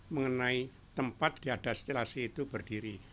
mengenai tempat di atas stilasi itu berdiri